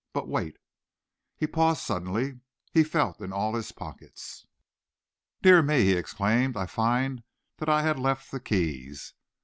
But wait." He paused suddenly. He felt in all his pockets. "Dear me," he exclaimed, "I find that I have left the keys!